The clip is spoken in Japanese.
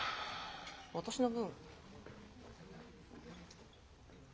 私の分。